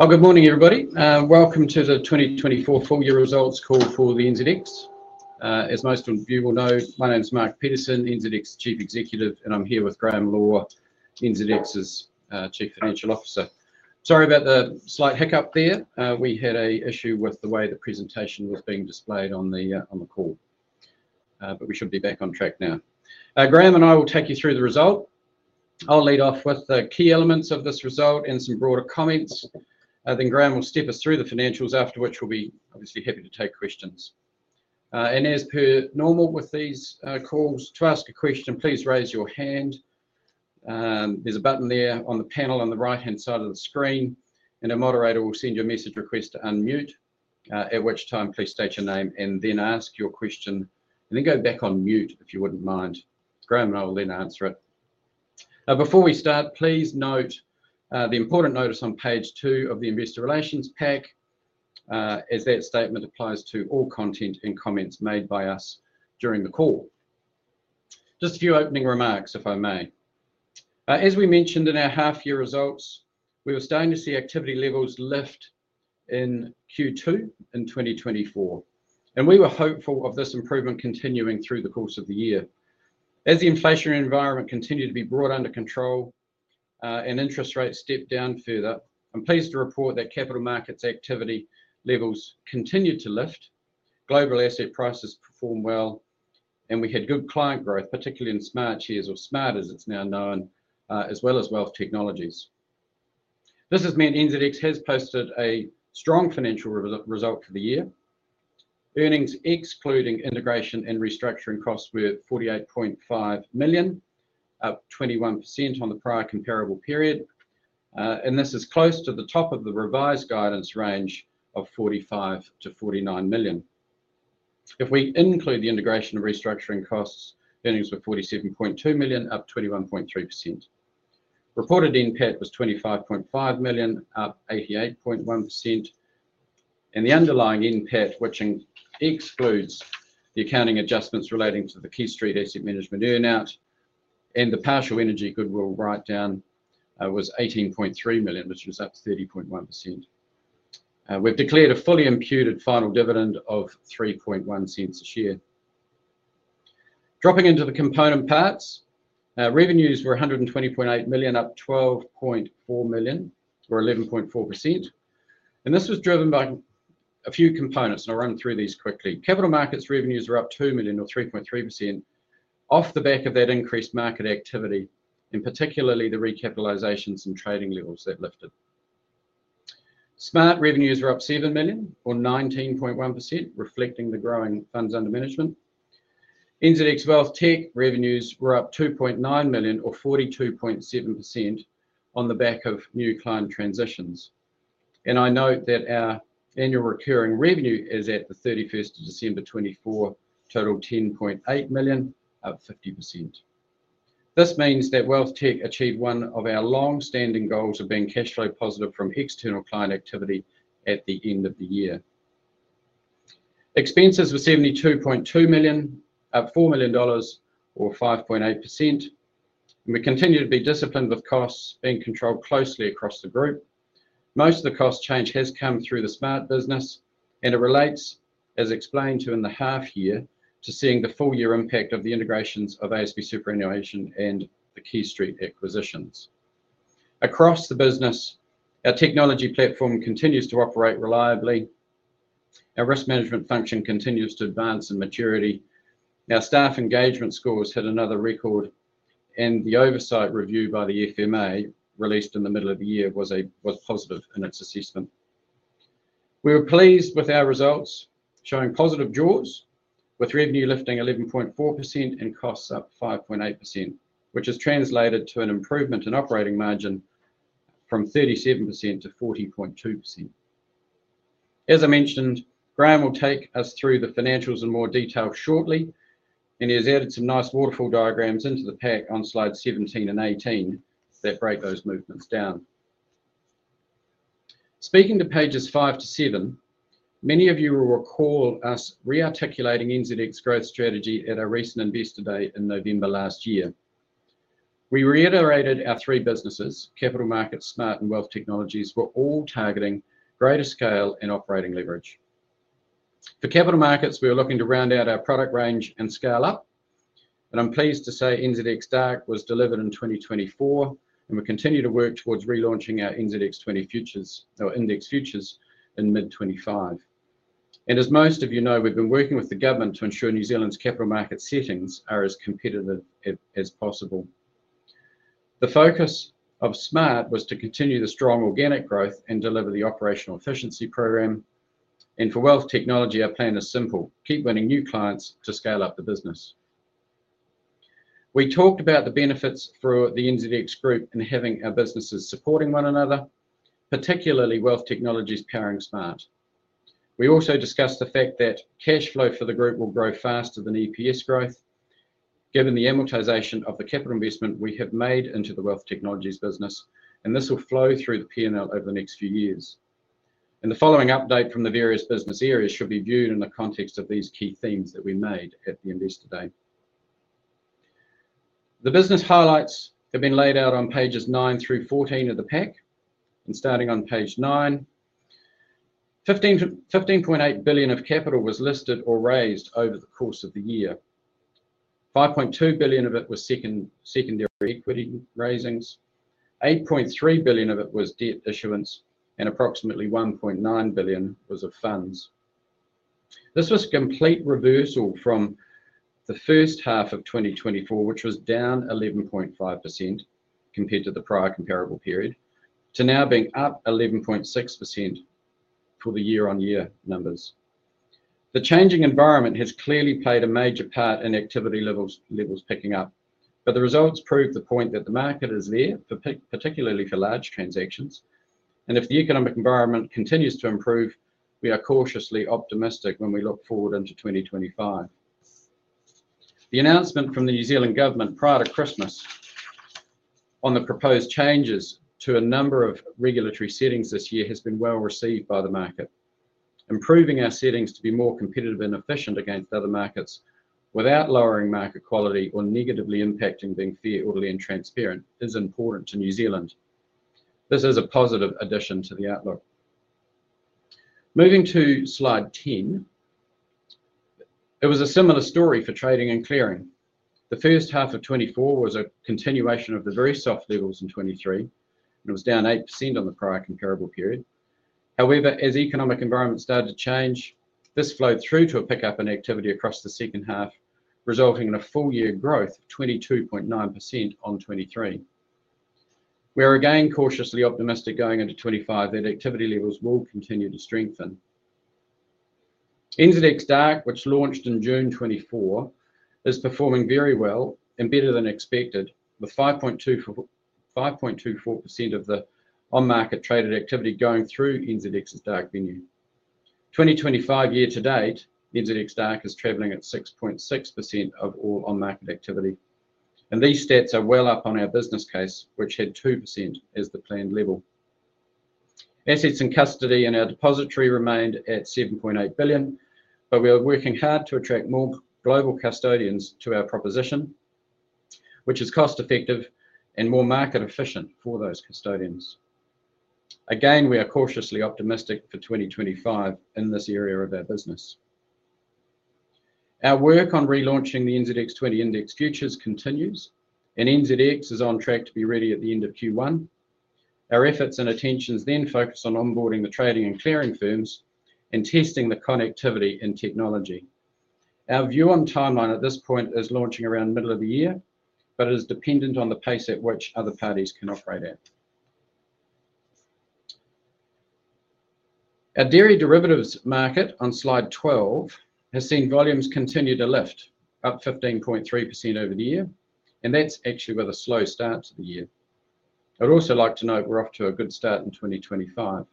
Oh, good morning, everybody. Welcome to the 2024 full-year results call for the NZX. As most of you will know, my name's Mark Peterson, NZX Chief Executive, and I'm here with Graham Law, NZX's Chief Financial Officer. Sorry about the slight hiccup there. We had an issue with the way the presentation was being displayed on the call, but we should be back on track now. Graham and I will take you through the result. I'll lead off with the key elements of this result and some broader comments. Graham will step us through the financials, after which we'll be obviously happy to take questions. As per normal with these calls, to ask a question, please raise your hand. There's a button there on the panel on the right-hand side of the screen, and a moderator will send you a message request to unmute, at which time please state your name and then ask your question. Please go back on mute if you would not mind. Graham and I will then answer it. Now, before we start, please note the important notice on page two of the investor relations pack, as that statement applies to all content and comments made by us during the call. Just a few opening remarks, if I may. As we mentioned in our half-year results, we were starting to see activity levels lift in Q2 in 2024, and we were hopeful of this improvement continuing through the course of the year. As the inflationary environment continued to be brought under control and interest rates stepped down further, I'm pleased to report that capital markets activity levels continued to lift, global asset prices performed well, and we had good client growth, particularly in Smartshares or Smart, as it's now known, as well as Wealth Technologies. This has meant NZX has posted a strong financial result for the year. Earnings, excluding integration and restructuring costs, were 48.5 million, up 21% on the prior comparable period. This is close to the top of the revised guidance range of 45 million-49 million. If we include the integration and restructuring costs, earnings were 47.2 million, up 21.3%. Reported NPAT was 25.5 million, up 88.1%. The underlying NPAT, which excludes the accounting adjustments relating to the QuayStreet Asset Management earnout and the partial energy goodwill write-down, was 18.3 million, which was up 30.1%. We have declared a fully imputed final dividend of 0.031 a share. Dropping into the component parts, revenues were 120.8 million, up 12.4 million or 11.4%. This was driven by a few components, and I'll run through these quickly. Capital markets revenues were up 2 million or 3.3% off the back of that increased market activity, and particularly the recapitalisations and trading levels that lifted. Smart revenues were up 7 million or 19.1%, reflecting the growing funds under management. NZX WealthTech revenues were up 2.9 million or 42.7% on the back of new client transitions. I note that our annual recurring revenue as at 31st December 2024 totaled 10.8 million, up 50%. This means that WealthTech achieved one of our long-standing goals of being cash flow positive from external client activity at the end of the year. Expenses were 72.2 million, up 4 million dollars or 5.8%. We continue to be disciplined with costs being controlled closely across the group. Most of the cost change has come through the Smart business, and it relates, as explained to you in the half-year, to seeing the full-year impact of the integrations of ASB Superannuation and the QuayStreet acquisitions. Across the business, our technology platform continues to operate reliably. Our risk management function continues to advance in maturity. Our staff engagement scores hit another record, and the oversight review by the FMA released in the middle of the year was positive in its assessment. We were pleased with our results, showing positive draws, with revenue lifting 11.4% and costs up 5.8%, which has translated to an improvement in operating margin from 37%-40.2%. As I mentioned, Graham will take us through the financials in more detail shortly, and he has added some nice waterfall diagrams into the pack on slides 17 and 18 that break those movements down. Speaking to pages five to seven, many of you will recall us re-articulating NZX's growth strategy at our recent Investor Day in November last year. We reiterated our three businesses: capital markets, Smart, and Wealth Technologies, were all targeting greater scale and operating leverage. For capital markets, we were looking to round out our product range and scale up. I'm pleased to say NZX Dark was delivered in 2024, and we continue to work towards relaunching our NZX 20 futures or index futures in mid-2025. As most of you know, we've been working with the government to ensure New Zealand's capital market settings are as competitive as possible. The focus of Smart was to continue the strong organic growth and deliver the operational efficiency program. For Wealth Technologies, our plan is simple: keep winning new clients to scale up the business. We talked about the benefits for the NZX group in having our businesses supporting one another, particularly Wealth Technologies powering Smart. We also discussed the fact that cash flow for the group will grow faster than EPS growth, given the amortization of the capital investment we have made into the Wealth Technologies business, and this will flow through the P&L over the next few years. The following update from the various business areas should be viewed in the context of these key themes that we made at the Investor Day. The business highlights have been laid out on pages 9 through 14 of the pack, and starting on page nine, 15.8 billion of capital was listed or raised over the course of the year. 5.2 billion of it was secondary equity raisings. 8.3 billion of it was debt issuance, and approximately 1.9 billion was of funds. This was a complete reversal from the first half of 2024, which was down 11.5% compared to the prior comparable period, to now being up 11.6% for the year-on-year numbers. The changing environment has clearly played a major part in activity levels picking up, but the results prove the point that the market is there, particularly for large transactions. If the economic environment continues to improve, we are cautiously optimistic when we look forward into 2025. The announcement from the New Zealand government prior to Christmas on the proposed changes to a number of regulatory settings this year has been well received by the market. Improving our settings to be more competitive and efficient against other markets without lowering market quality or negatively impacting being fair and transparent is important to New Zealand. This is a positive addition to the outlook. Moving to slide 10, it was a similar story for trading and clearing. The first half of 2024 was a continuation of the very soft levels in 2023, and it was down 8% on the prior comparable period. However, as the economic environment started to change, this flowed through to a pickup in activity across the second half, resulting in a full-year growth of 22.9% on 2023. We are again cautiously optimistic going into 2025 that activity levels will continue to strengthen. NZX Dark, which launched in June 2024, is performing very well and better than expected, with 5.24% of the on-market traded activity going through NZX Dark. 2025 year to date, NZX Dark is traveling at 6.6% of all on-market activity. These stats are well up on our business case, which had 2% as the planned level. Assets in custody and our depository remained at 7.8 billion, but we are working hard to attract more global custodians to our proposition, which is cost-effective and more market-efficient for those custodians. We are cautiously optimistic for 2025 in this area of our business. Our work on relaunching the NZX 20 index futures continues, and NZX is on track to be ready at the end of Q1. Our efforts and attentions then focus on onboarding the trading and clearing firms and testing the connectivity and technology. Our view on timeline at this point is launching around the middle of the year, but it is dependent on the pace at which other parties can operate at. Our dairy derivatives market on slide 12 has seen volumes continue to lift, up 15.3% over the year, and that's actually with a slow start to the year. I'd also like to note we're off to a good start in 2025.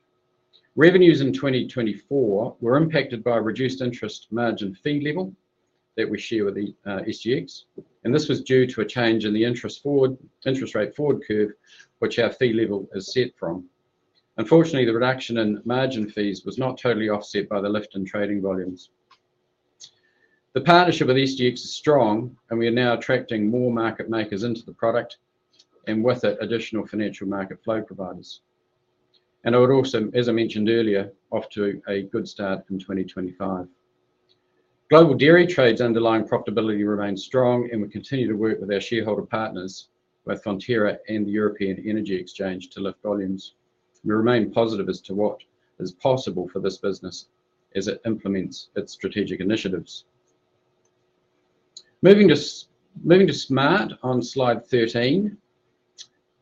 Revenues in 2024 were impacted by a reduced interest margin fee level that we share with the SGX, and this was due to a change in the interest rate forward curve, which our fee level is set from. Unfortunately, the reduction in margin fees was not totally offset by the lift in trading volumes. The partnership with SGX is strong, and we are now attracting more market makers into the product and with it, additional financial market flow providers. I would also, as I mentioned earlier, off to a good start in 2025. Global Dairy Trade's underlying profitability remains strong, and we continue to work with our shareholder partners, both Fonterra and the European Energy Exchange, to lift volumes. We remain positive as to what is possible for this business as it implements its strategic initiatives. Moving to Smart on slide 13,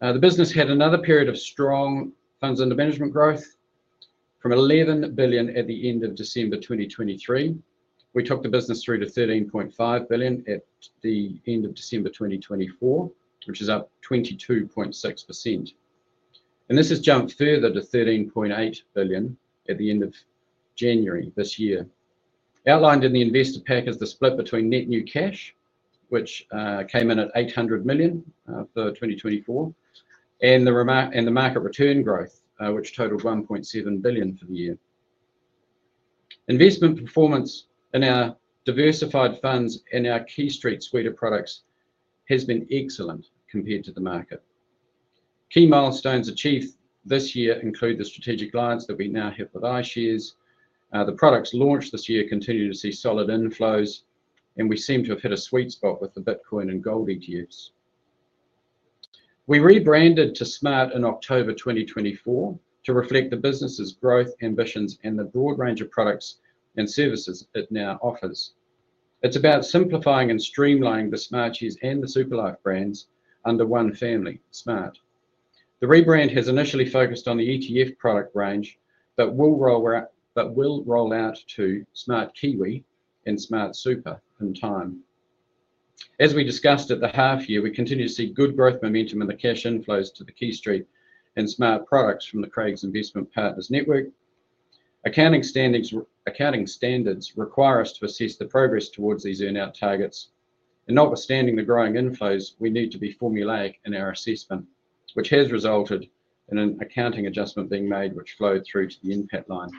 the business had another period of strong funds under management growth from 11 billion at the end of December 2023. We took the business through to 13.5 billion at the end of December 2024, which is up 22.6%. This has jumped further to 13.8 billion at the end of January this year. Outlined in the investor pack is the split between net new cash, which came in at 800 million for 2024, and the market return growth, which totaled 1.7 billion for the year. Investment performance in our diversified funds and our QuayStreet suite of products has been excellent compared to the market. Key milestones achieved this year include the strategic lines that we now have with iShares. The products launched this year continue to see solid inflows, and we seem to have hit a sweet spot with the Bitcoin and Gold ETFs. We rebranded to Smart in October 2024 to reflect the business's growth ambitions and the broad range of products and services it now offers. It's about simplifying and streamlining the Smartshares and the SuperLife brands under one family, Smart. The rebrand has initially focused on the ETF product range, but will roll out to Smart Kiwi and Smart Super in time. As we discussed at the half-year, we continue to see good growth momentum in the cash inflows to the QuayStreet and Smart products from the Craigs Investment Partners network. Accounting standards require us to assess the progress towards these earnout targets. Notwithstanding the growing inflows, we need to be formulaic in our assessment, which has resulted in an accounting adjustment being made, which flowed through to the NPAT line.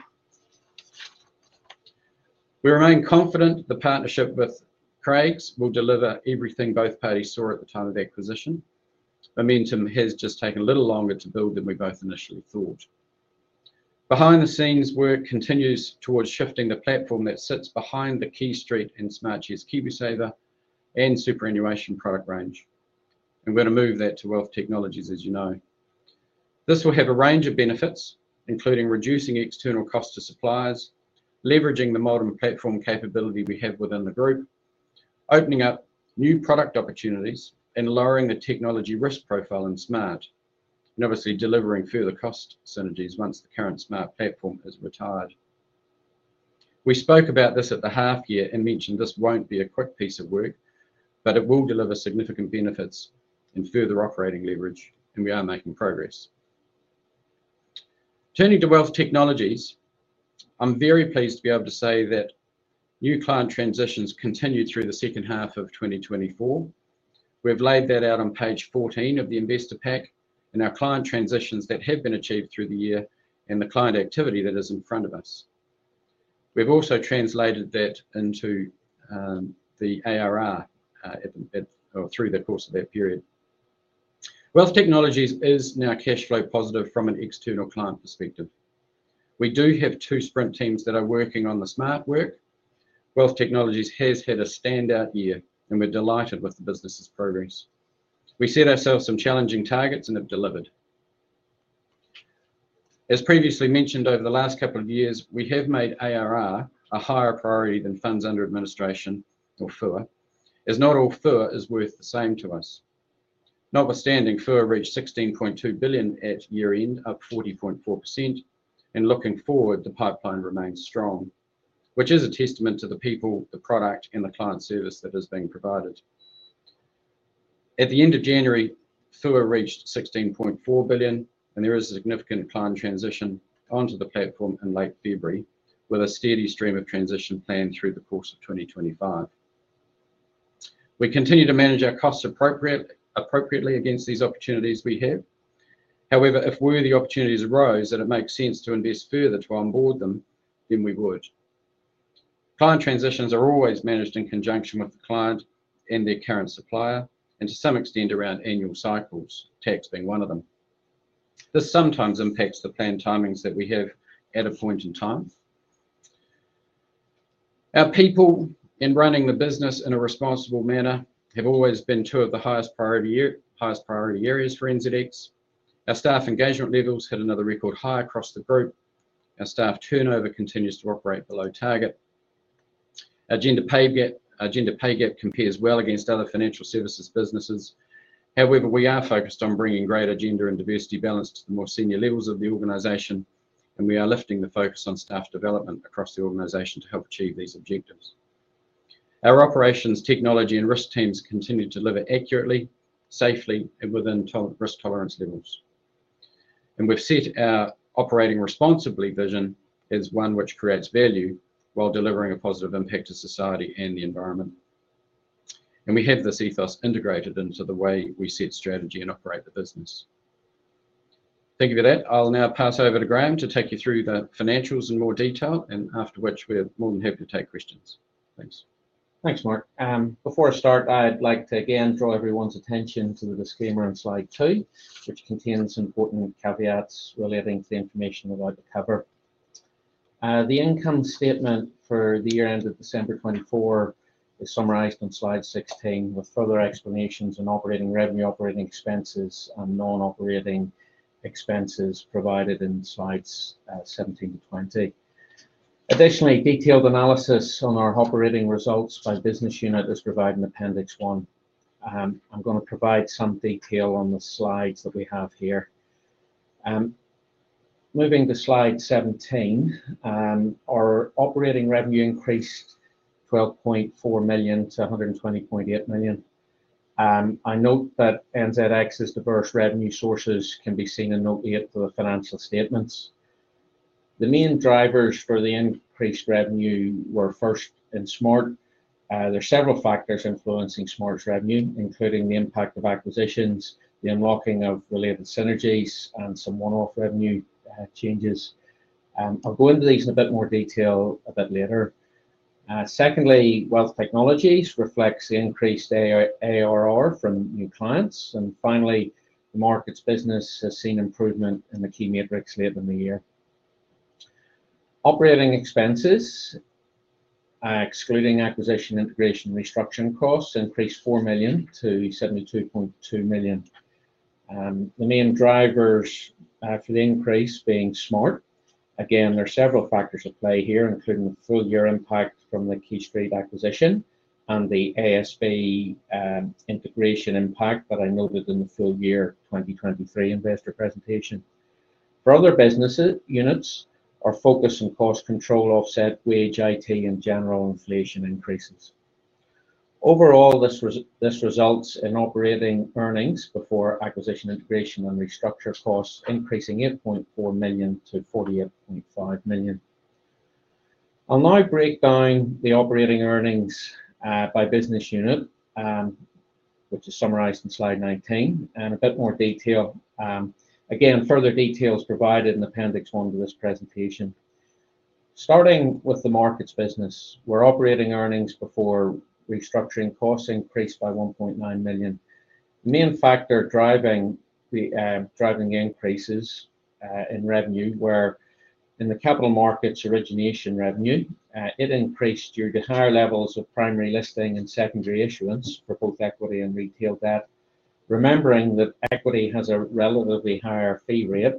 We remain confident the partnership with Craigs will deliver everything both parties saw at the time of acquisition. Momentum has just taken a little longer to build than we both initially thought. Behind-the-scenes work continues towards shifting the platform that sits behind the QuayStreet and Smart KiwiSaver and Superannuation product range. We are going to move that to Wealth Technologies, as you know. This will have a range of benefits, including reducing external costs to suppliers, leveraging the modern platform capability we have within the group, opening up new product opportunities, and lowering the technology risk profile in Smart, and obviously delivering further cost synergies once the current Smart platform is retired. We spoke about this at the half-year and mentioned this will not be a quick piece of work, but it will deliver significant benefits and further operating leverage, and we are making progress. Turning to Wealth Technologies, I am very pleased to be able to say that new client transitions continue through the second half of 2024. We have laid that out on page 14 of the investor pack and our client transitions that have been achieved through the year and the client activity that is in front of us. We've also translated that into the ARR through the course of that period. Wealth Technologies is now cash flow positive from an external client perspective. We do have two sprint teams that are working on the Smart work. Wealth Technologies has had a standout year, and we're delighted with the business's progress. We set ourselves some challenging targets and have delivered. As previously mentioned, over the last couple of years, we have made ARR a higher priority than funds under administration or FUA. As not all FUA is worth the same to us. Notwithstanding, FUA reached 16.2 billion at year-end, up 40.4%, and looking forward, the pipeline remains strong, which is a testament to the people, the product, and the client service that is being provided. At the end of January, FUA reached 16.4 billion, and there is a significant client transition onto the platform in late February, with a steady stream of transition planned through the course of 2025. We continue to manage our costs appropriately against these opportunities we have. However, if worthy opportunities arose and it makes sense to invest further to onboard them, then we would. Client transitions are always managed in conjunction with the client and their current supplier, and to some extent around annual cycles, tax being one of them. This sometimes impacts the planned timings that we have at a point in time. Our people in running the business in a responsible manner have always been two of the highest priority areas for NZX. Our staff engagement levels hit another record high across the group. Our staff turnover continues to operate below target. Agenda pay gap compares well against other financial services businesses. However, we are focused on bringing greater gender and diversity balance to the more senior levels of the organization, and we are lifting the focus on staff development across the organization to help achieve these objectives. Our operations, technology, and risk teams continue to deliver accurately, safely, and within risk tolerance levels. We have set our operating responsibly vision as one which creates value while delivering a positive impact to society and the environment. We have this ethos integrated into the way we set strategy and operate the business. Thank you for that. I'll now pass over to Graham to take you through the financials in more detail, after which we're more than happy to take questions. Thanks. Thanks, Mark. Before I start, I'd like to again draw everyone's attention to the disclaimer on slide 2, which contains important caveats relating to the information we're about to cover. The income statement for the year-end of December 2024 is summarised on slide 16, with further explanations on operating revenue, operating expenses, and non-operating expenses provided in slides 17-20. Additionally, detailed analysis on our operating results by business unit is provided in appendix 1. I'm going to provide some detail on the slides that we have here. Moving to slide 17, our operating revenue increased 12.4 million-120.8 million. I note that NZX's diverse revenue sources can be seen in note 8 of the financial statements. The main drivers for the increased revenue were first in Smart. There are several factors influencing Smart's revenue, including the impact of acquisitions, the unlocking of related synergies, and some one-off revenue changes. I'll go into these in a bit more detail a bit later. Secondly, Wealth Technologies reflects the increased ARR from new clients. Finally, the markets business has seen improvement in the key metrics later in the year. Operating expenses, excluding acquisition integration restructuring costs, increased 4 million-72.2 million. The main drivers for the increase being Smart. Again, there are several factors at play here, including the full-year impact from the QuayStreet acquisition and the ASB integration impact that I noted in the full-year 2023 investor presentation. For other business units, our focus on cost control offset wage, IT, and general inflation increases. Overall, this results in operating earnings before acquisition integration and restructure costs increasing 8.4 million-48.5 million. I'll now break down the operating earnings by business unit, which is summarized in slide 19, and a bit more detail. Again, further details provided in appendix 1 to this presentation. Starting with the markets business, where operating earnings before restructuring costs increased by 1.9 million. The main factor driving the increases in revenue were in the capital markets origination revenue. It increased due to higher levels of primary listing and secondary issuance for both equity and retail debt, remembering that equity has a relatively higher fee rate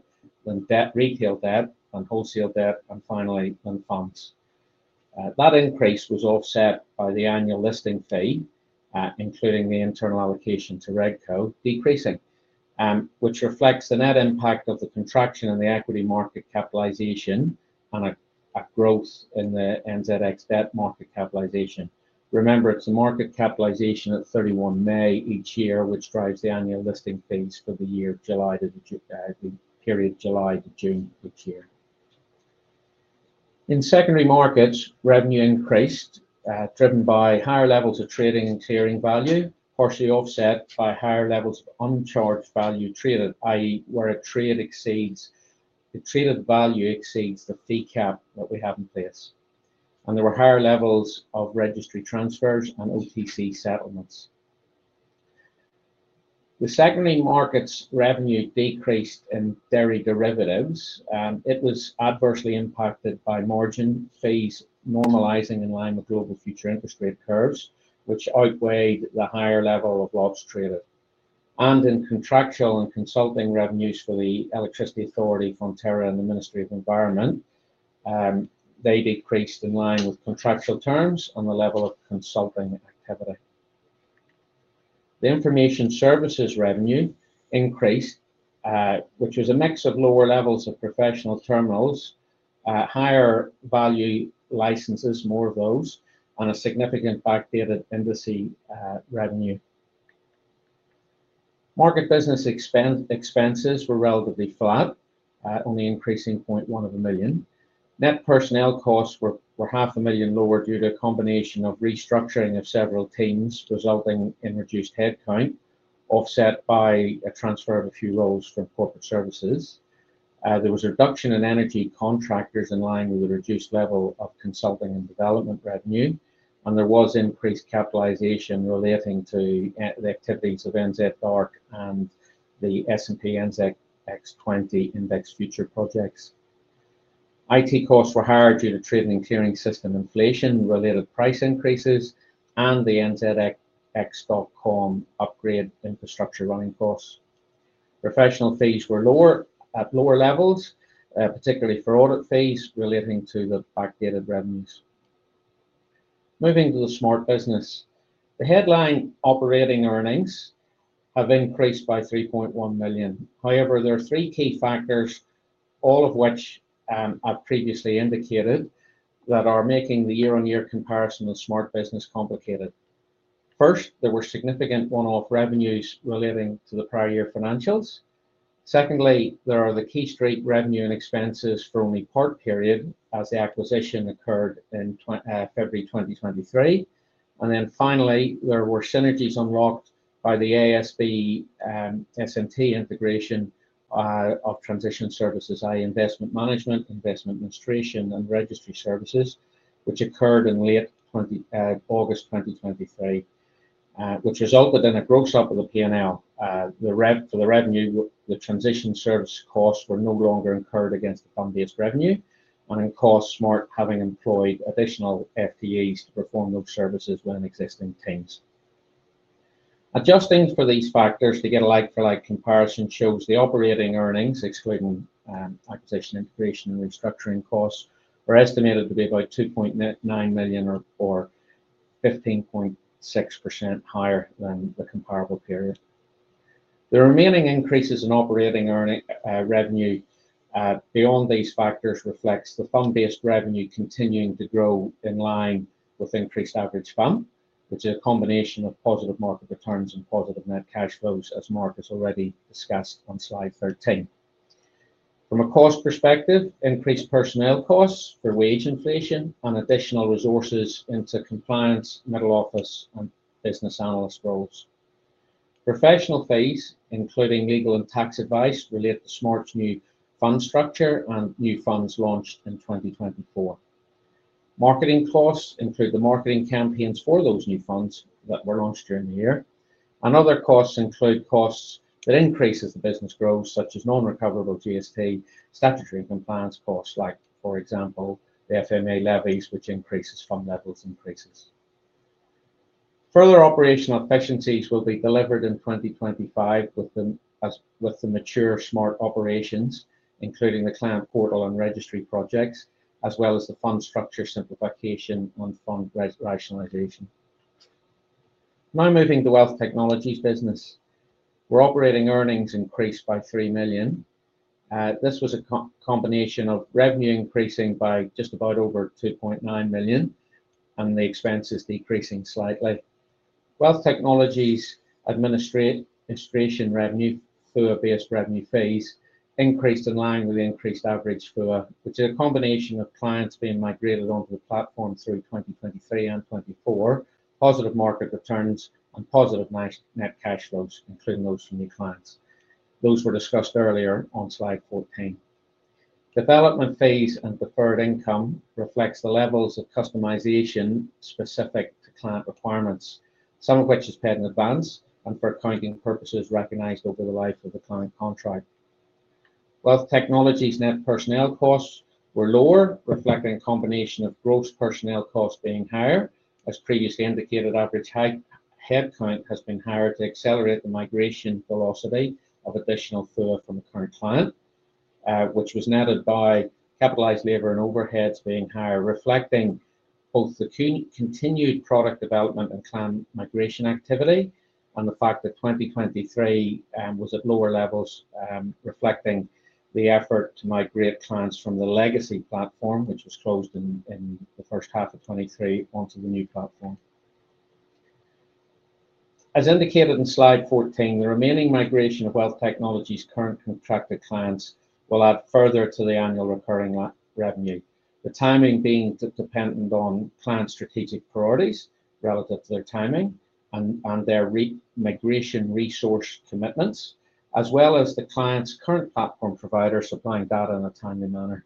than retail debt, than wholesale debt, and finally than funds. That increase was offset by the annual listing fee, including the internal allocation to NZ RegCo, decreasing, which reflects the net impact of the contraction in the equity market capitalisation and a growth in the NZX debt market capitalisation. Remember, it's a market capitalisation at 31 May each year, which drives the annual listing fees for the period July to June each year. In secondary markets, revenue increased driven by higher levels of trading and clearing value, partially offset by higher levels of uncharged value treated, i.e., where a trade exceeds the treated value exceeds the fee cap that we have in place. There were higher levels of registry transfers and OTC settlements. The secondary markets revenue decreased in dairy derivatives. It was adversely impacted by margin fees normalizing in line with global future interest rate curves, which outweighed the higher level of lots traded. In contractual and consulting revenues for the Electricity Authority, Fonterra, and the Ministry for the Environment, they decreased in line with contractual terms on the level of consulting activity. The information services revenue increased, which was a mix of lower levels of professional terminals, higher value licenses, more of those, and a significant backdated industry revenue. Market business expenses were relatively flat, only increasing 0.1 million. Net personnel costs were 500,000 lower due to a combination of restructuring of several teams resulting in reduced headcount, offset by a transfer of a few roles from corporate services. There was a reduction in energy contractors in line with a reduced level of consulting and development revenue, and there was increased capitalization relating to the activities of NZX Dark and the S&P/NZX 20 Index Futures projects. IT costs were higher due to trading and clearing system inflation-related price increases and the NZX.com upgrade infrastructure running costs. Professional fees were lower at lower levels, particularly for audit fees relating to the backdated revenues. Moving to the Smart business. The headline operating earnings have increased by 3.1 million. However, there are three key factors, all of which I've previously indicated, that are making the year-on-year comparison of Smart business complicated. First, there were significant one-off revenues relating to the prior year financials. Secondly, there are the QuayStreet revenue and expenses for only part period as the acquisition occurred in February 2023. Finally, there were synergies unlocked by the ASB Superannuation integration of transition services, i.e., investment management, investment administration, and registry services, which occurred in late August 2023, which resulted in a gross up of the P&L. For the revenue, the transition service costs were no longer incurred against the fund-based revenue, and it costs Smart having employed additional FTEs to perform those services within existing teams. Adjusting for these factors to get a like-for-like comparison shows the operating earnings, excluding acquisition integration and restructuring costs, are estimated to be about 2.9 million or 15.6% higher than the comparable period. The remaining increases in operating revenue beyond these factors reflects the fund-based revenue continuing to grow in line with increased average fund, which is a combination of positive market returns and positive net cash flows, as Mark has already discussed on slide 13. From a cost perspective, increased personnel costs for wage inflation and additional resources into compliance, middle office, and business analyst roles. Professional fees, including legal and tax advice, relate to Smart's new fund structure and new funds launched in 2024. Marketing costs include the marketing campaigns for those new funds that were launched during the year. Other costs include costs that increase the business growth, such as non-recoverable GST, statutory compliance costs, like, for example, the FMA levies, which increase fund levels increases. Further operational efficiencies will be delivered in 2025 with the mature Smart operations, including the client portal and registry projects, as well as the fund structure simplification and fund rationalisation. Now moving to Wealth Technologies business. Our operating earnings increased by 3 million. This was a combination of revenue increasing by just about over 2.9 million and the expenses decreasing slightly. Wealth Technologies administration revenue, FUA-based revenue fees, increased in line with the increased average FUA, which is a combination of clients being migrated onto the platform through 2023 and 2024, positive market returns, and positive net cash flows, including those from new clients. Those were discussed earlier on slide 14. Development fees and deferred income reflects the levels of customisation specific to client requirements, some of which is paid in advance and for accounting purposes recognised over the life of the client contract. Wealth Technologies' net personnel costs were lower, reflecting a combination of gross personnel costs being higher, as previously indicated, average headcount has been higher to accelerate the migration velocity of additional FUA from the current client, which was netted by capitalized labor and overheads being higher, reflecting both the continued product development and client migration activity and the fact that 2023 was at lower levels, reflecting the effort to migrate clients from the legacy platform, which was closed in the first half of 2023, onto the new platform. As indicated in slide 14, the remaining migration of Wealth Technologies' current contracted clients will add further to the annual recurring revenue, the timing being dependent on client strategic priorities relative to their timing and their migration resource commitments, as well as the client's current platform provider supplying data in a timely manner.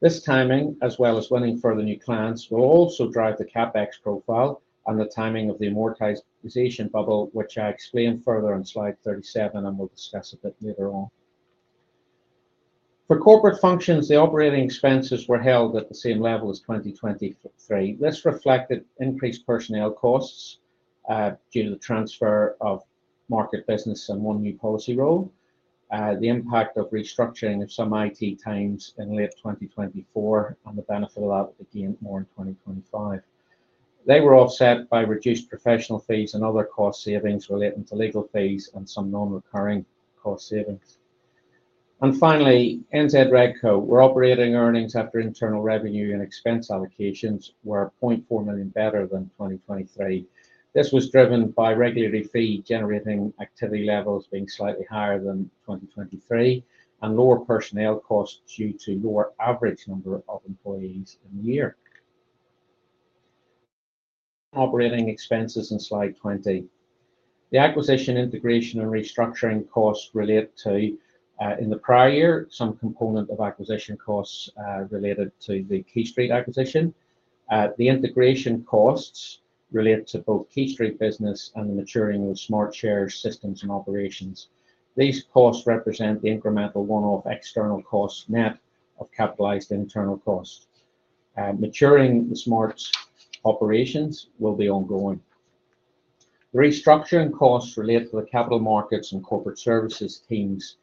This timing, as well as winning further new clients, will also drive the CapEx profile and the timing of the amortisation bubble, which I explained further on slide 37 and will discuss a bit later on. For corporate functions, the operating expenses were held at the same level as 2023. This reflected increased personnel costs due to the transfer of market business and one new policy role, the impact of restructuring of some IT teams in late 2024, and the benefit of that would be gained more in 2025. They were offset by reduced professional fees and other cost savings relating to legal fees and some non-recurring cost savings. Finally, NZ RegCo, where operating earnings after internal revenue and expense allocations were 0.4 million better than 2023. This was driven by regulatory fee generating activity levels being slightly higher than 2023 and lower personnel costs due to lower average number of employees in the year. Operating expenses in slide 20. The acquisition integration and restructuring costs relate to, in the prior year, some component of acquisition costs related to the QuayStreet acquisition. The integration costs relate to both QuayStreet business and the maturing of Smartshares systems and operations. These costs represent the incremental one-off external cost net of capitalized internal costs. Maturing the Smart operations will be ongoing. Restructuring costs relate to the capital markets and corporate services teams'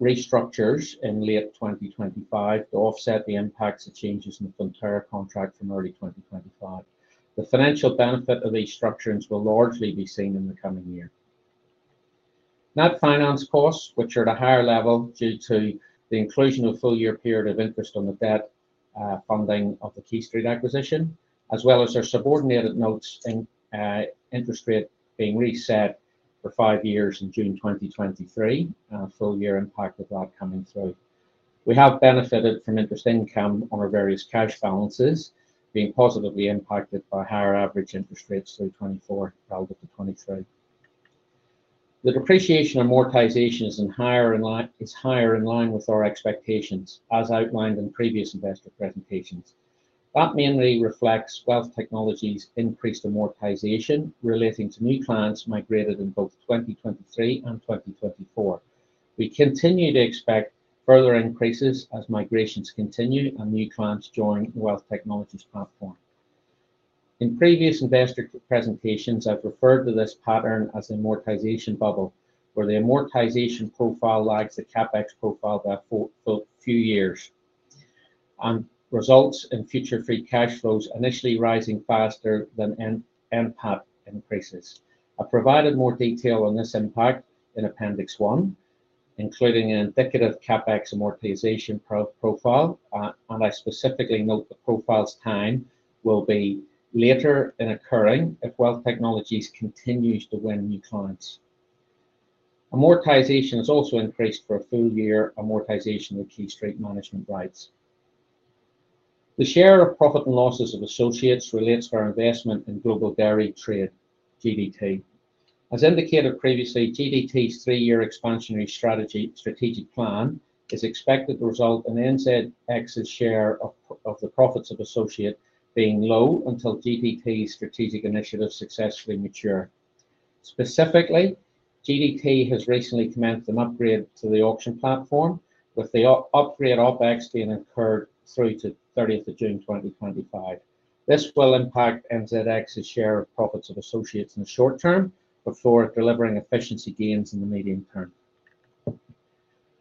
restructures in late 2025 to offset the impacts of changes in the Fonterra contract from early 2025. The financial benefit of these structures will largely be seen in the coming year. Net finance costs, which are at a higher level due to the inclusion of full-year period of interest on the debt funding of the QuayStreet acquisition, as well as their subordinated notes in interest rate being reset for five years in June 2023, full-year impact of that coming through. We have benefited from interest income on our various cash balances being positively impacted by higher average interest rates through 2024 relative to 2023. The depreciation amortisation is higher in line with our expectations, as outlined in previous investor presentations. That mainly reflects Wealth Technologies' increased amortisation relating to new clients migrated in both 2023 and 2024. We continue to expect further increases as migrations continue and new clients join Wealth Technologies' platform. In previous investor presentations, I've referred to this pattern as an amortisation bubble, where the amortisation profile lags the CapEx profile by a few years, and results in future free cash flows initially rising faster than NPAT increases. I've provided more detail on this impact in appendix 1, including an indicative CapEx amortisation profile, and I specifically note the profile's timing will be later in occurring if Wealth Technologies continues to win new clients. Amortisation has also increased for a full-year amortisation of QuayStreet management rights. The share of profit and losses of associates relates to our investment in Global Dairy Trade, GDT. As indicated previously, GDT's three-year expansionary strategic plan is expected to result in NZX's share of the profits of associate being low until GDT's strategic initiatives successfully mature. Specifically, GDT has recently commenced an upgrade to the auction platform, with the upgrade OpEx being incurred through to 30 June 2025. This will impact NZX's share of profits of associates in the short term before delivering efficiency gains in the medium term.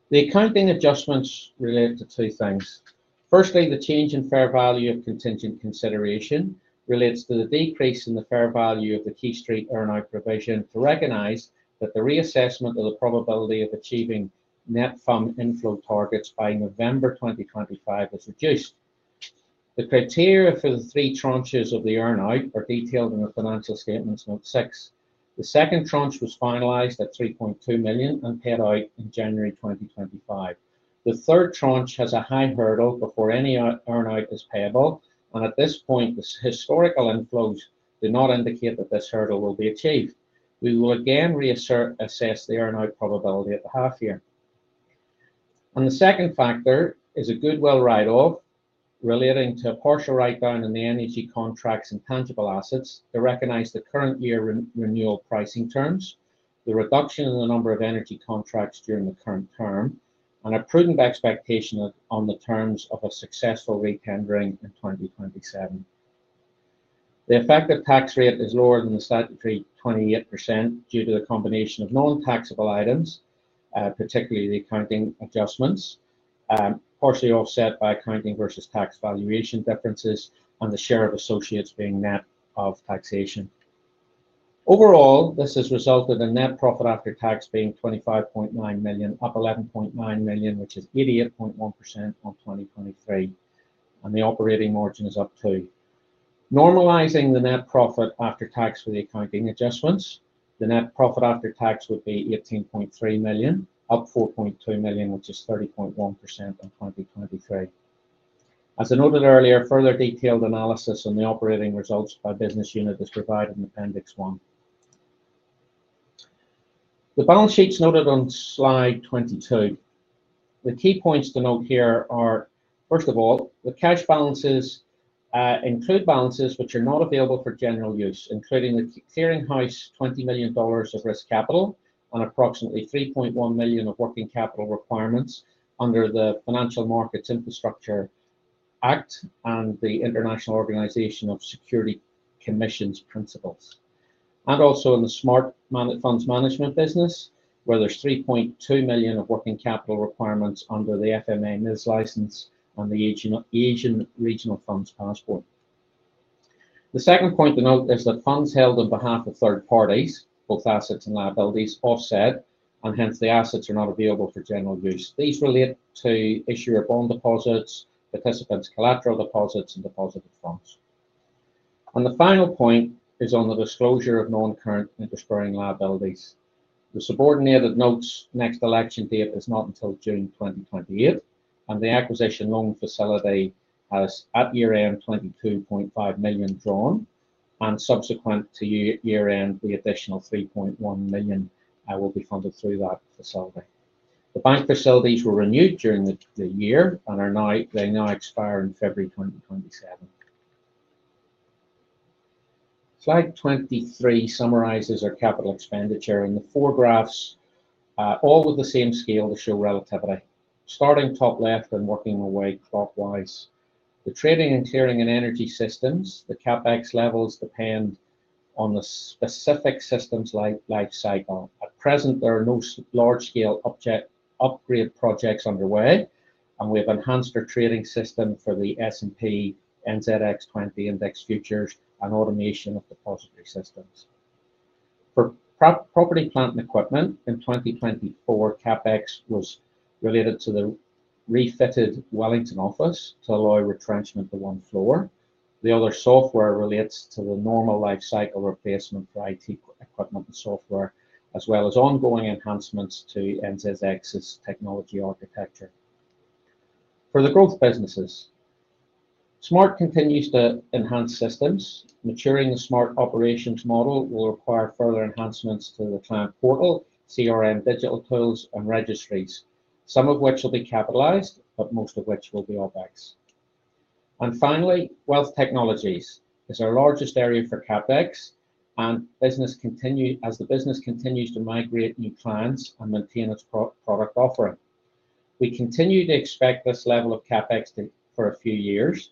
The accounting adjustments relate to two things. Firstly, the change in fair value of contingent consideration relates to the decrease in the fair value of the QuayStreet earnout provision to recognize that the reassessment of the probability of achieving net fund inflow targets by November 2025 has reduced. The criteria for the three tranches of the earnout are detailed in the financial statements note six. The second tranche was finalized at $3.2 million and paid out in January 2025. The third tranche has a high hurdle before any earnout is payable, and at this point, the historical inflows do not indicate that this hurdle will be achieved. We will again reassess the earnout probability at the half year. The second factor is a goodwill write-off relating to a partial write-down in the energy contracts and tangible assets to recognize the current year renewal pricing terms, the reduction in the number of energy contracts during the current term, and a prudent expectation on the terms of a successful re-tendering in 2027. The effective tax rate is lower than the statutory 28% due to the combination of non-taxable items, particularly the accounting adjustments, partially offset by accounting versus tax valuation differences and the share of associates being net of taxation. Overall, this has resulted in net profit after tax being 25.9 million, up 11.9 million, which is 88.1% on 2023, and the operating margin is up too. Normalizing the net profit after tax for the accounting adjustments, the net profit after tax would be 18.3 million, up 4.2 million, which is 30.1% on 2023. As I noted earlier, further detailed analysis on the operating results by business unit is provided in appendix 1. The balance sheet is noted on slide 22. The key points to note here are, first of all, the cash balances include balances which are not available for general use, including the clearing house 20 million dollars of risk capital and approximately 3.1 million of working capital requirements under the Financial Markets Infrastructure Act and the International Organisation of Security Commission's principles. Also in the Smart funds management business, where there is 3.2 million of working capital requirements under the FMA MIS license and the Asian Regional Funds Passport. The second point to note is that funds held on behalf of third parties, both assets and liabilities, offset, and hence the assets are not available for general use. These relate to issuer bond deposits, participants' collateral deposits, and deposited funds. The final point is on the disclosure of non-current and interest-bearing liabilities. The subordinated notes next election date is not until June 2028, and the acquisition loan facility has at year-end 22.5 million drawn, and subsequent to year-end, the additional 3.1 million will be funded through that facility. The bank facilities were renewed during the year and they now expire in February 2027. Slide 23 summarises our capital expenditure in the four graphs, all with the same scale to show relativity, starting top left and working away clockwise. The trading and clearing and energy systems, the CapEx levels depend on the specific system's life cycle. At present, there are no large-scale upgrade projects underway, and we have enhanced our trading system for the S&P/NZX 20 Index Futures and automation of depository systems. For property, plant, and equipment, in 2024, CapEx was related to the refitted Wellington office to allow retrenchment to one floor. The other software relates to the normal life cycle replacement for IT equipment and software, as well as ongoing enhancements to NZX's technology architecture. For the growth businesses, Smart continues to enhance systems. Maturing the Smart operations model will require further enhancements to the client portal, CRM digital tools, and registries, some of which will be capitalized, but most of which will be OpEx. Finally, Wealth Technologies is our largest area for CapEx, and as the business continues to migrate new clients and maintain its product offering, we continue to expect this level of CapEx for a few years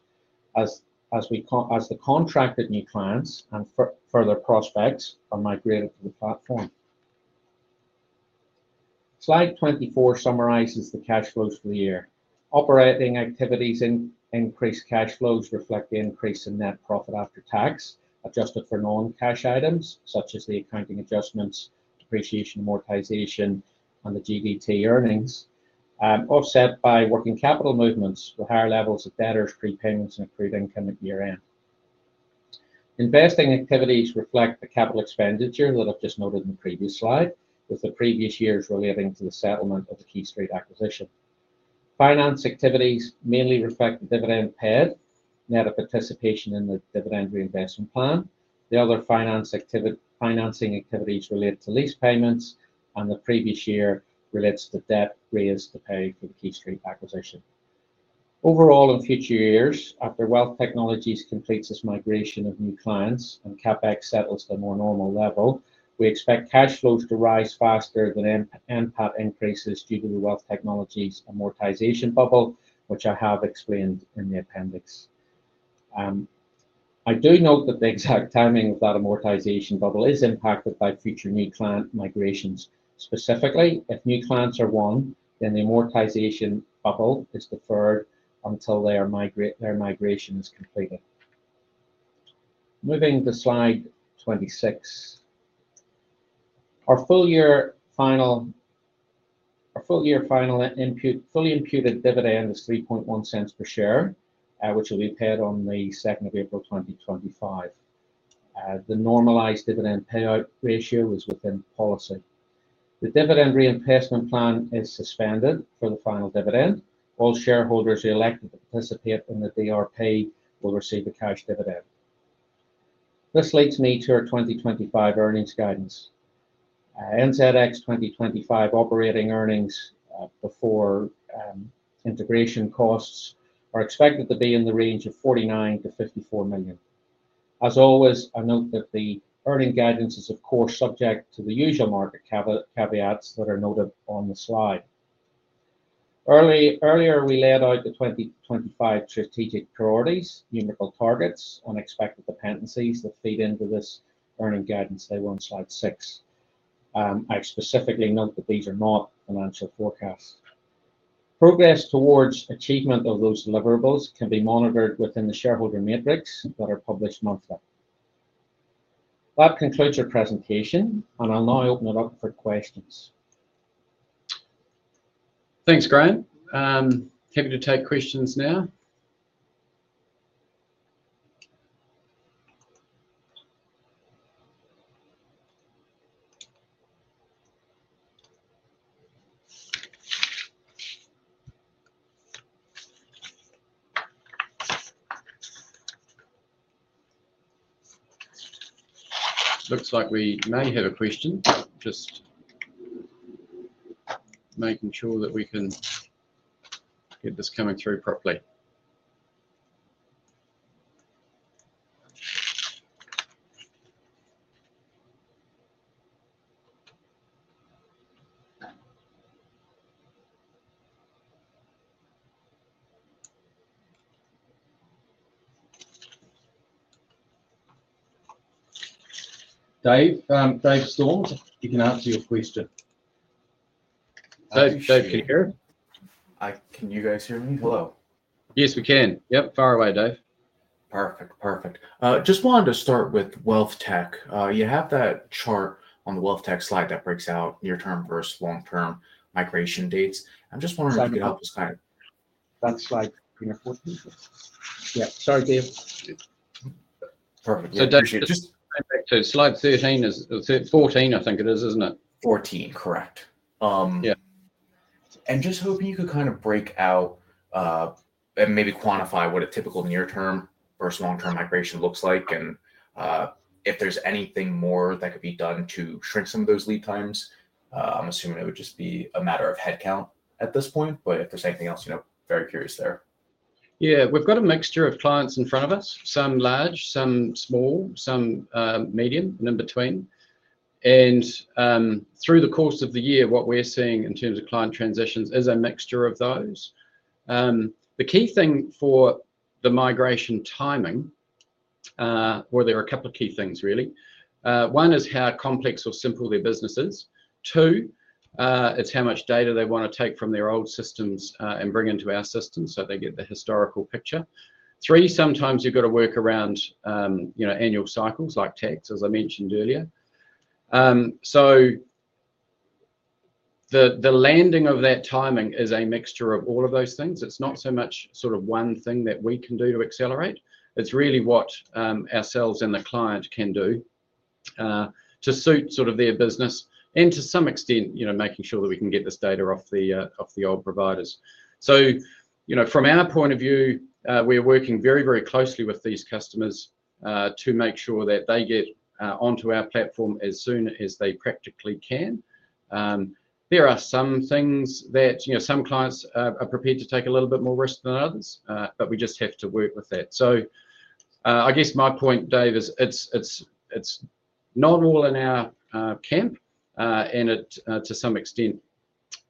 as the contracted new clients and further prospects are migrated to the platform. Slide 24 summarizes the cash flows for the year. Operating activities increased cash flows reflect the increase in net profit after tax adjusted for non-cash items, such as the accounting adjustments, depreciation, amortization, and the GDT earnings, offset by working capital movements with higher levels of debtors, prepayments, and accrued income at year-end. Investing activities reflect the capital expenditure that I've just noted in the previous slide, with the previous years relating to the settlement of the QuayStreet acquisition. Finance activities mainly reflect the dividend paid, net of participation in the dividend reinvestment plan. The other financing activities relate to lease payments, and the previous year relates to the debt raised to pay for the QuayStreet acquisition. Overall, in future years, after Wealth Technologies completes its migration of new clients and CapEx settles to a more normal level, we expect cash flows to rise faster than NPAT increases due to the Wealth Technologies amortisation bubble, which I have explained in the appendix. I do note that the exact timing of that amortisation bubble is impacted by future new client migrations. Specifically, if new clients are won, then the amortisation bubble is deferred until their migration is completed. Moving to slide 26. Our full-year final fully imputed dividend is 0.031 per share, which will be paid on the 2nd of April 2025. The normalised dividend payout ratio is within policy. The dividend reinvestment plan is suspended for the final dividend. All shareholders elected to participate in the DRP will receive a cash dividend. This leads me to our 2025 earnings guidance. NZX 2025 operating earnings before integration costs are expected to be in the range of 49 million-54 million. As always, I note that the earning guidance is, of course, subject to the usual market caveats that are noted on the slide. Earlier, we laid out the 2025 strategic priorities, numerical targets, and expected dependencies that feed into this earning guidance table on slide six. I specifically note that these are not financial forecasts. Progress towards achievement of those deliverables can be monitored within the shareholder matrix that are published monthly. That concludes our presentation, and I'll now open it up for questions. Thanks, Graham. Happy to take questions now. Looks like we may have a question. Just making sure that we can get this coming through properly. Dave Storms, if you can answer your question. Dave, can you hear us? Can you guys hear me? Hello. Yes, we can. Yep, fire away, Dave. Perfect, perfect. Just wanted to start with WealthTech. You have that chart on the WealthTech slide that breaks out near-term versus long-term migration dates. I'm just wondering if you could help us kind of. That's slide 14. Yeah, sorry, Dave. Perfect. So Dave, just. Slide 13 is 14, I think it is, isn't it? 14, correct. Yeah. Just hoping you could kind of break out and maybe quantify what a typical near-term versus long-term migration looks like, and if there's anything more that could be done to shrink some of those lead times. I'm assuming it would just be a matter of headcount at this point, but if there's anything else, very curious there. Yeah, we've got a mixture of clients in front of us, some large, some small, some medium, and in between. Through the course of the year, what we're seeing in terms of client transitions is a mixture of those. The key thing for the migration timing, there are a couple of key things, really. One is how complex or simple their business is. Two, it's how much data they want to take from their old systems and bring into our systems so they get the historical picture. Three, sometimes you've got to work around annual cycles like tax, as I mentioned earlier. The landing of that timing is a mixture of all of those things. It's not so much sort of one thing that we can do to accelerate. It's really what ourselves and the client can do to suit sort of their business, and to some extent, making sure that we can get this data off the old providers. From our point of view, we're working very, very closely with these customers to make sure that they get onto our platform as soon as they practically can. There are some things that some clients are prepared to take a little bit more risk than others, but we just have to work with that. I guess my point, Dave, is it's not all in our camp, and to some extent,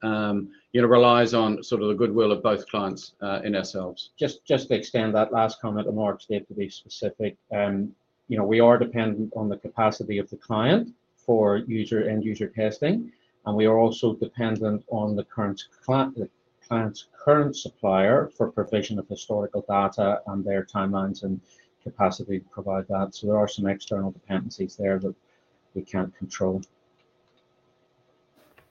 it relies on sort of the goodwill of both clients and ourselves. Just to extend that last comment, I'm more upset to be specific. We are dependent on the capacity of the client for end-user testing, and we are also dependent on the client's current supplier for provision of historical data and their timelines and capacity to provide that. There are some external dependencies there that we can't control.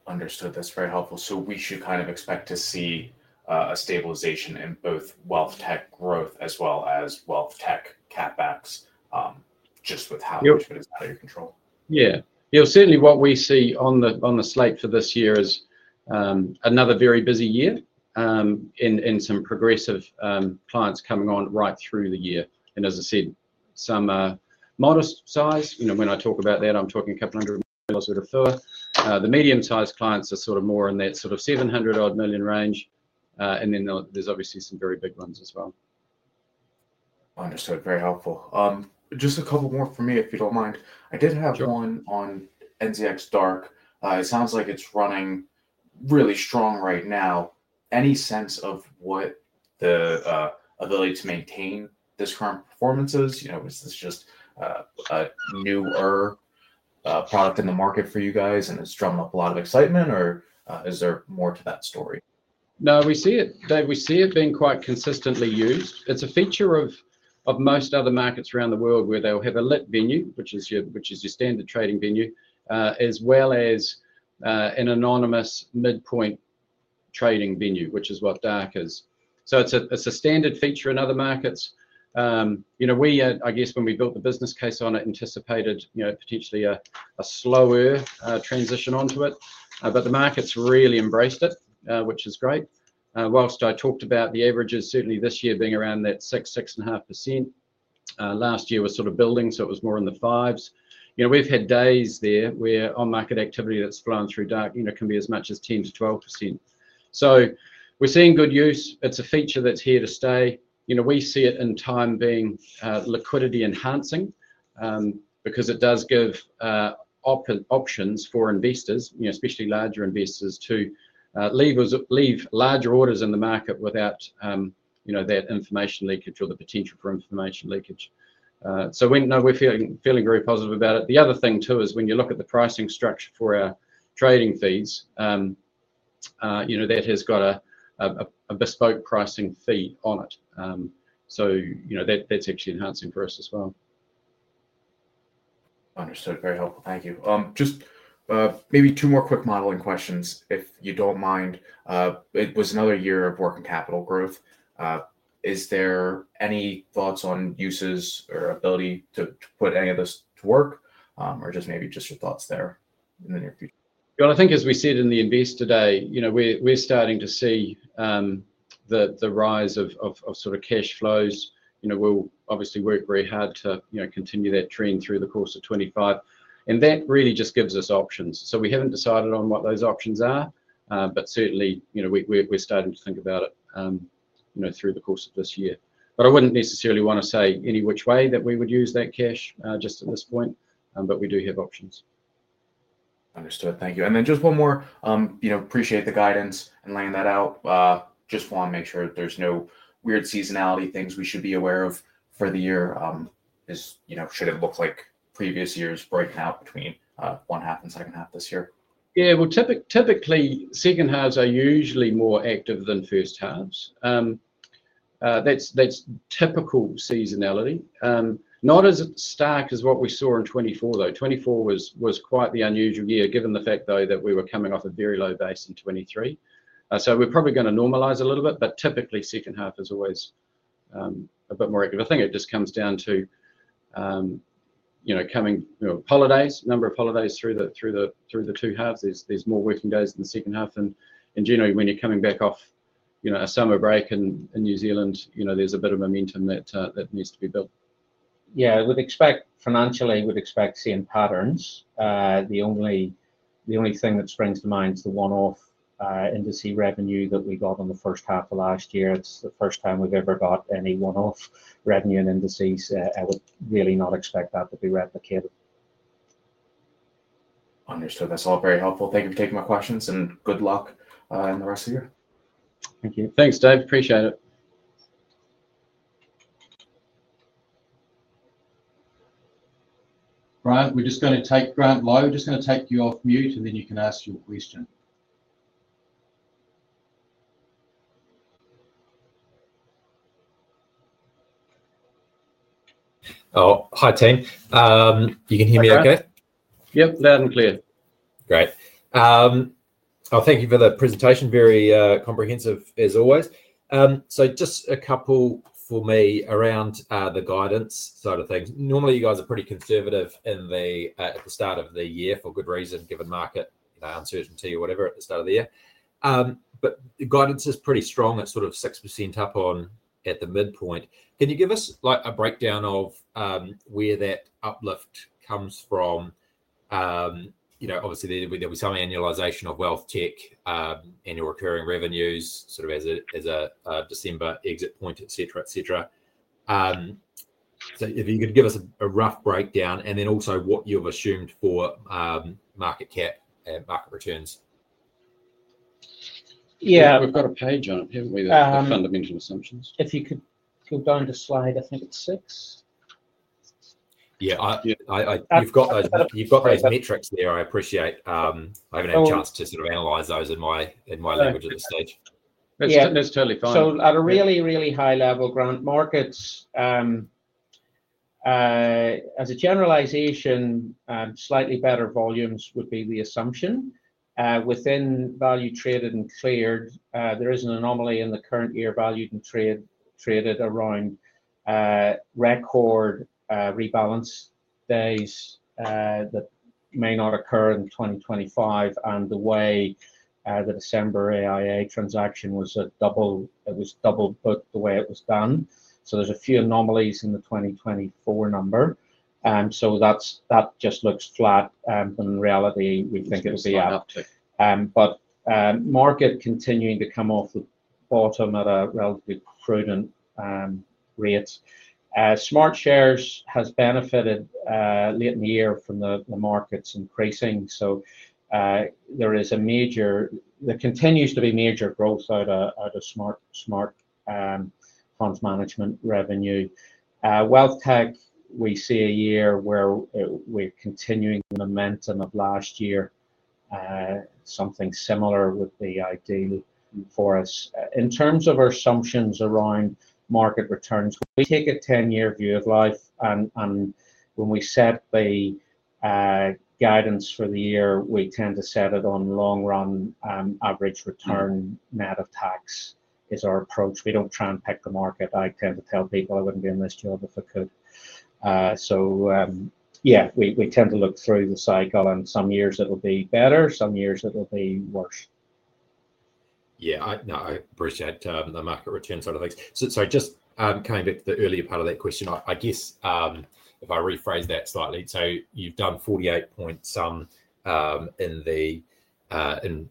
Understood. That's very helpful. We should kind of expect to see a stabilisation in both WealthTech growth as well as WealthTech CapEx just with how much of it is out of your control. Yeah. Certainly, what we see on the slate for this year is another very busy year and some progressive clients coming on right through the year. As I said, some modest size. When I talk about that, I'm talking a couple hundred million. The medium-sized clients are more in that 700-odd million range, and then there's obviously some very big ones as well. Understood. Very helpful. Just a couple more for me, if you don't mind. I did have one on NZX Dark. It sounds like it's running really strong right now. Any sense of what the ability to maintain this current performance is? Is this just a newer product in the market for you guys, and has it drummed up a lot of excitement, or is there more to that story? No, we see it. Dave, we see it being quite consistently used. It's a feature of most other markets around the world where they'll have a lit venue, which is your standard trading venue, as well as an anonymous midpoint trading venue, which is what Dark is. It's a standard feature in other markets. We, I guess, when we built the business case on it, anticipated potentially a slower transition onto it, but the markets really embraced it, which is great. Whilst I talked about the averages, certainly this year being around that 6%-6.5%. Last year, we're sort of building, so it was more in the fives. We've had days there where on-market activity that's flown through Dark can be as much as 10%-12%. We're seeing good use. It's a feature that's here to stay. We see it in time being liquidity-enhancing because it does give options for investors, especially larger investors, to leave larger orders in the market without that information leakage or the potential for information leakage. We are feeling very positive about it. The other thing, too, is when you look at the pricing structure for our trading fees, that has got a bespoke pricing fee on it. That is actually enhancing for us as well. Understood. Very helpful. Thank you. Just maybe two more quick modeling questions, if you do not mind. It was another year of working capital growth. Is there any thoughts on uses or ability to put any of this to work, or just maybe just your thoughts there in the near future? I think, as we see it in the invest today, we are starting to see the rise of sort of cash flows. We'll obviously work very hard to continue that trend through the course of 2025. That really just gives us options. We haven't decided on what those options are, but certainly, we're starting to think about it through the course of this year. I wouldn't necessarily want to say any which way that we would use that cash just at this point, but we do have options. Understood. Thank you. Just one more. Appreciate the guidance and laying that out. Just want to make sure there's no weird seasonality things we should be aware of for the year. Should it look like previous years breaking out between one-half and second half this year? Yeah. Typically, second halves are usually more active than first halves. That's typical seasonality. Not as stark as what we saw in 2024, though. 2024 was quite the unusual year, given the fact, though, that we were coming off a very low base in 2023. We are probably going to normalize a little bit, but typically, second half is always a bit more active. I think it just comes down to coming holidays, number of holidays through the two halves. There are more working days in the second half. Generally, when you are coming back off a summer break in New Zealand, there is a bit of momentum that needs to be built. Financially, we would expect seeing patterns. The only thing that springs to mind is the one-off industry revenue that we got in the first half of last year. It is the first time we have ever got any one-off revenue in indices. I would really not expect that to be replicated. Understood. That is all very helpful. Thank you for taking my questions, and good luck in the rest of the year. Thank you. Thanks, Dave. Appreciate it. Right. We're just going to take Grant Lowe. Just going to take you off mute, and then you can ask your question. Hi, team. You can hear me okay? Yep, loud and clear. Great. Thank you for the presentation. Very comprehensive, as always. Just a couple for me around the guidance side of things. Normally, you guys are pretty conservative at the start of the year for good reason, given market uncertainty or whatever at the start of the year. The guidance is pretty strong. It's sort of 6% up at the midpoint. Can you give us a breakdown of where that uplift comes from? Obviously, there'll be some annualisation of WealthTech, annual recurring revenues, sort of as a December exit point, etc., etc. If you could give us a rough breakdown, and then also what you've assumed for market cap and market returns. Yeah. We've got a page on it, haven't we, that's fundamental assumptions. If you could go on to slide, I think it's six. Yeah. You've got those metrics there. I appreciate having a chance to sort of analyse those in my language at this stage. That's totally fine. At a really, really high level, Grant, markets, as a generalisation, slightly better volumes would be the assumption. Within value traded and cleared, there is an anomaly in the current year valued and traded around record rebalance days that may not occur in 2025, and the way the December AIA transaction was double-booked the way it was done. There's a few anomalies in the 2024 number. That just looks flat, but in reality, we think it'll be up. Market continuing to come off the bottom at a relatively prudent rate. Smartshares has benefited late in the year from the markets increasing. There continues to be major growth out of Smart funds management revenue. WealthTech, we see a year where we're continuing the momentum of last year. Something similar would be ideal for us. In terms of our assumptions around market returns, we take a 10-year view of life, and when we set the guidance for the year, we tend to set it on long-run average return net of tax is our approach. We don't try and pick the market. I tend to tell people I wouldn't be in this job if I could. Yeah, we tend to look through the cycle, and some years it'll be better, some years it'll be worse. Yeah. No, I appreciate the market return side of things. Just kind of the earlier part of that question, I guess, if I rephrase that slightly, you have done 48 point some in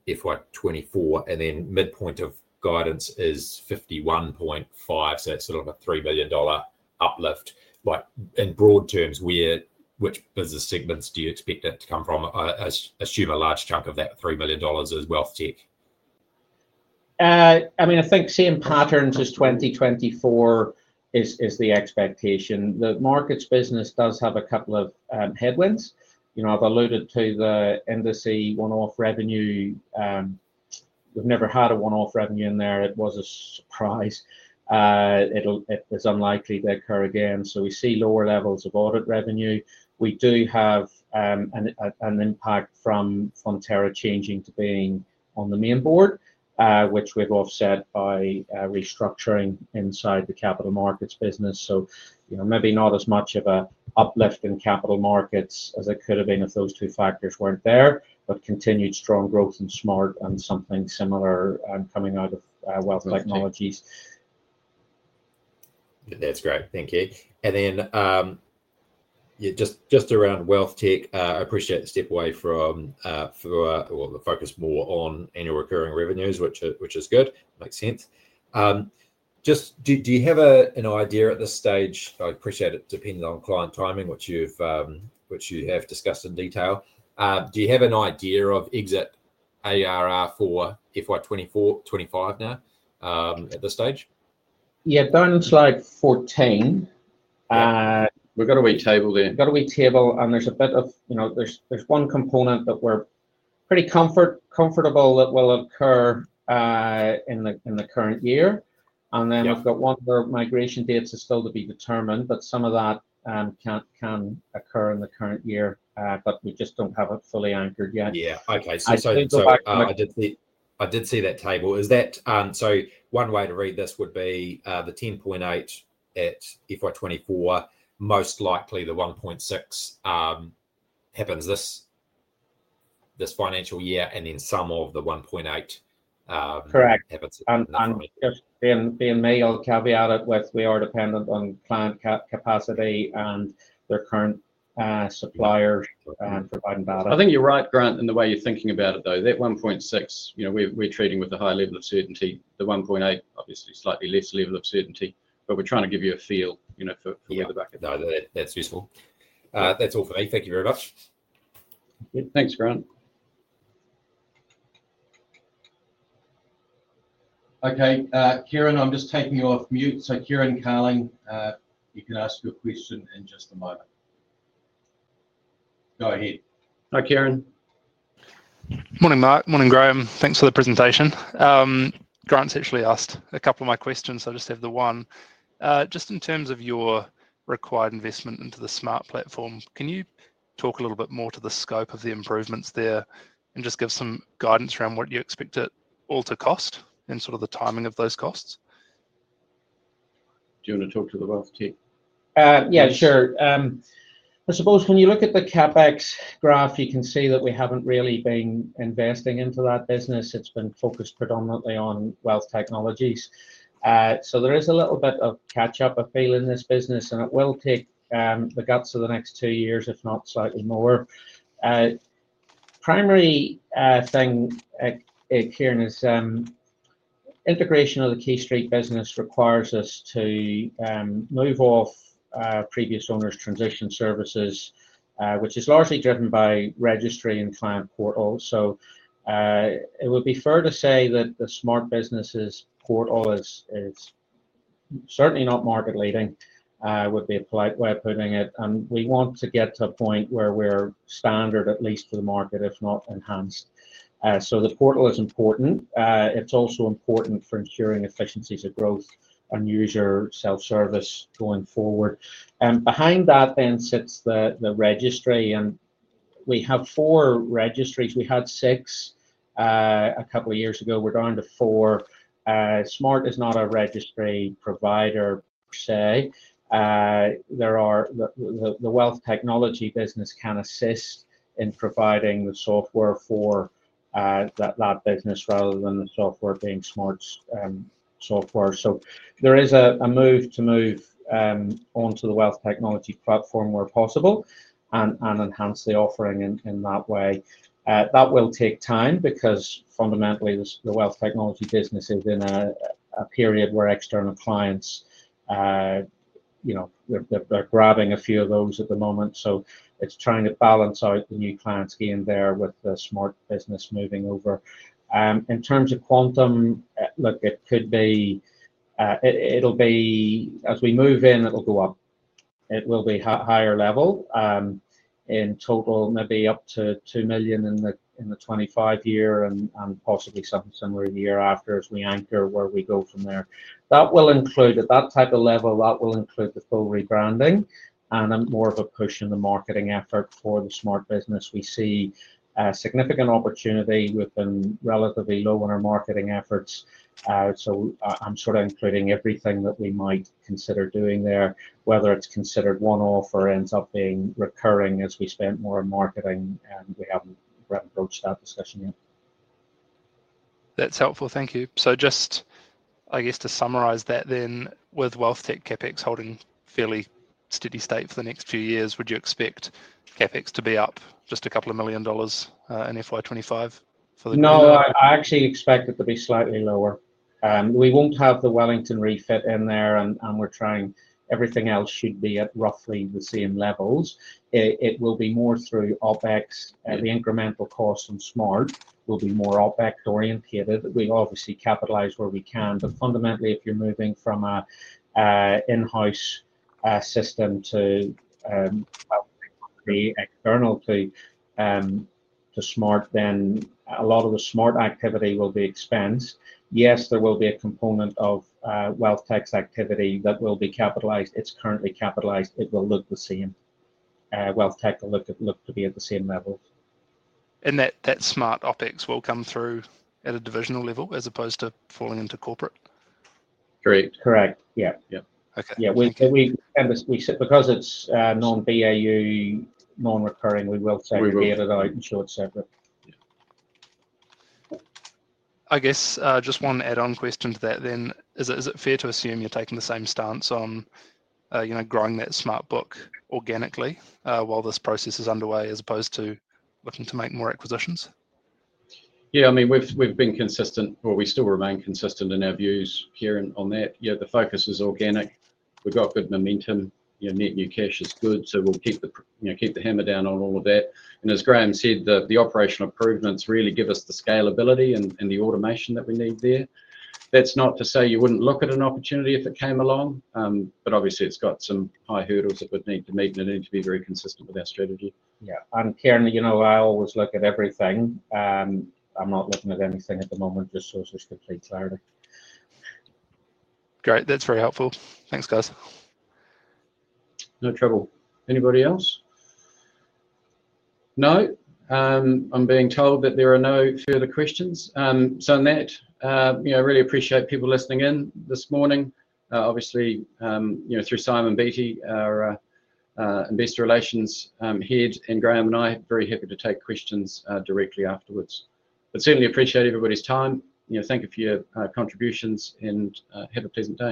FY2024, and then midpoint of guidance is 51.5. It is sort of a $3 million uplift. In broad terms, which business segments do you expect it to come from? Assume a large chunk of that $3 million is Wealth Tech. I mean, I think seeing patterns is 2024 is the expectation. The markets business does have a couple of headwinds. I have alluded to the industry one-off revenue. We have never had a one-off revenue in there. It was a surprise. It is unlikely to occur again. We see lower levels of audit revenue. We do have an impact from Fonterra changing to being on the main board, which we have offset by restructuring inside the capital markets business. Maybe not as much of an uplift in capital markets as it could have been if those two factors were not there, but continued strong growth in Smart and something similar coming out of Wealth Technologies. That is great. Thank you. Just around WealthTech, I appreciate the step away from the focus more on annual recurring revenues, which is good. Makes sense. Do you have an idea at this stage? I appreciate it depends on client timing, which you have discussed in detail. Do you have an idea of exit ARR for fiscal year 2024, 2025 now at this stage? Yeah. On slide 14. We have a table there. We have a table, and there is one component that we are pretty comfortable that will occur in the current year. I have one where migration dates are still to be determined, but some of that can occur in the current year. We just do not have it fully anchored yet. Yeah. Okay. I did see that table. One way to read this would be the 10.8 at FY2024, most likely the 1.6 happens this financial year, and then some of the 1.8 happens at the financial year. Correct. Just being me, I will caveat it with we are dependent on client capacity and their current suppliers providing data. I think you are right, Grant, in the way you are thinking about it, though. That 1.6, we are treating with a high level of certainty. The 1.8, obviously, slightly less level of certainty, but we are trying to give you a feel for where the back of that. That is useful. That is all for me. Thank you very much. Thanks, Grant. Okay. Kieran, I'm just taking you off mute. Kieran Carling, you can ask your question in just a moment. Go ahead. Hi, Kieran. Morning, Mark. Morning, Graham. Thanks for the presentation. Grant's actually asked a couple of my questions. I just have the one. Just in terms of your required investment into the Smart platform, can you talk a little bit more to the scope of the improvements there and just give some guidance around what you expect it all to cost and sort of the timing of those costs? Do you want to talk to the Wealth Technologies? Yeah, sure. I suppose when you look at the CapEx graph, you can see that we haven't really been investing into that business. It's been focused predominantly on Wealth Technologies. There is a little bit of catch-up, I feel, in this business, and it will take the guts of the next two years, if not slightly more. Primary thing, Kieran, is integration of the QuayStreet business requires us to move off previous owners' transition services, which is largely driven by registry and client portal. It would be fair to say that the Smart business's portal is certainly not market-leading, would be polite way of putting it. We want to get to a point where we are standard, at least for the market, if not enhanced. The portal is important. It is also important for ensuring efficiencies of growth and user self-service going forward. Behind that then sits the registry. We have four registries. We had six a couple of years ago. We are down to four. Smart is not a registry provider per se. The Wealth Technologies business can assist in providing the software for that business rather than the software being Smart's software. There is a move to move onto the Wealth Technologies platform where possible and enhance the offering in that way. That will take time because fundamentally, the Wealth Technologies business is in a period where external clients are grabbing a few of those at the moment. It is trying to balance out the new clients gained there with the Smart business moving over. In terms of quantum, look, it could be as we move in, it will go up. It will be higher level in total, maybe up to 2 million in the 2025 year and possibly somewhere in the year after as we anchor where we go from there. That will include at that type of level, that will include the full rebranding and more of a push in the marketing effort for the Smart business. We see significant opportunity. We've been relatively low in our marketing efforts. I'm sort of including everything that we might consider doing there, whether it's considered one-off or ends up being recurring as we spent more on marketing, and we haven't approached that discussion yet. That's helpful. Thank you. Just, I guess, to summarize that then, with WealthTech CapEx holding fairly steady state for the next few years, would you expect CapEx to be up just a couple of million dollars in fiscal year 2025 for the company? No, I actually expect it to be slightly lower. We won't have the Wellington refit in there, and everything else should be at roughly the same levels. It will be more through OpEx. The incremental costs on Smart will be more OpEx-orientated. We obviously capitalize where we can, but fundamentally, if you're moving from an in-house system to external to Smart, then a lot of the Smart activity will be expense. Yes, there will be a component of WealthTech's activity that will be capitalized. It's currently capitalized. It will look the same. WealthTech will look to be at the same levels. And that Smart OpEx will come through at a divisional level as opposed to falling into corporate? Correct. Correct. Yeah. Yeah. Yeah. We sit because it's non-BAU, non-recurring, we will take the data out and show it separate. I guess just one add-on question to that then. Is it fair to assume you're taking the same stance on growing that Smart book organically while this process is underway as opposed to looking to make more acquisitions? Yeah. I mean, we've been consistent, or we still remain consistent in our views here on that. Yeah, the focus is organic. We've got good momentum. Net new cash is good, so we'll keep the hammer down on all of that. As Graham said, the operational improvements really give us the scalability and the automation that we need there. That's not to say you wouldn't look at an opportunity if it came along, but obviously, it's got some high hurdles that we'd need to meet, and it needs to be very consistent with our strategy. Yeah. Kieran, I always look at everything. I'm not looking at anything at the moment, just so it's just complete clarity. Great. That's very helpful. Thanks, guys. No trouble. Anybody else? No. I'm being told that there are no further questions. On that, I really appreciate people listening in this morning. Obviously, through Simon Beattie, our investor relations head, and Graham and I are very happy to take questions directly afterwards. Certainly appreciate everybody's time. Thank you for your contributions, and have a pleasant day.